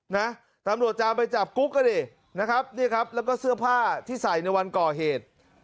นะตำรวจจามไปจับกุ๊กก็ดินะครับเนี่ยครับแล้วก็เสื้อผ้าที่ใส่ในวันก่อเหตุ